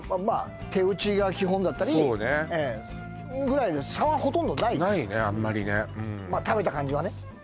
まあ手打ちが基本だったりそうねええぐらいで差はほとんどないないねあんまりねまあ食べた感じはね